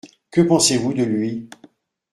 Que pensez-vous de lui ?